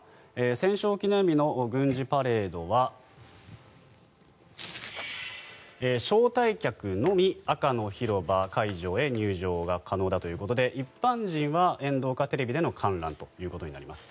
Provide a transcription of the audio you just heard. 戦勝記念日の軍事パレードは招待客のみ赤の広場会場へ入場が可能だということで一般人は沿道かテレビでの観覧ということになります。